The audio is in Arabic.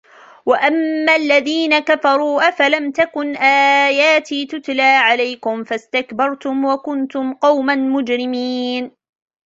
وَأَمَّا الَّذِينَ كَفَرُوا أَفَلَمْ تَكُنْ آيَاتِي تُتْلَى عَلَيْكُمْ فَاسْتَكْبَرْتُمْ وَكُنْتُمْ قَوْمًا مُجْرِمِينَ